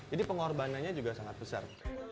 jadi pengorbanannya juga sangat besar